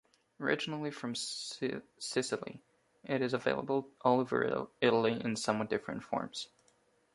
Originally from Sicily, it is available all over Italy in somewhat different forms.